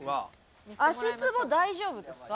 足ツボ大丈夫ですか？